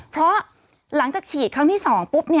เพราะหลังจากฉีดครั้งที่๒ปุ๊บ